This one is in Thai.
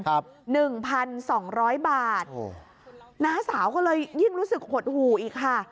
หนึ่งพันสองร้อยบาทโอ้โหน้าสาวก็เลยยิ่งรู้สึกหดหู่อีกค่ะ